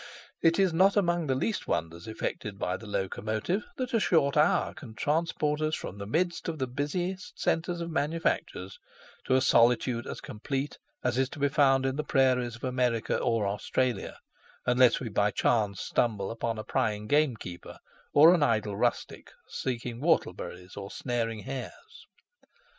It is not among the least wonders effected by the locomotive that a short hour can transport us from the midst of the busiest centres of manufactures to a solitude as complete as is to be found in the prairies of America or Australia, unless we by chance stumble upon a prying gamekeeper or an idle rustic seeking whortle berries or snaring hares.